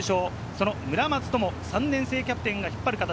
その村松灯、３年生キャプテンが引っ張る形。